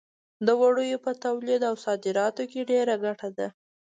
د وړیو په تولید او صادراتو کې ډېره ګټه ده.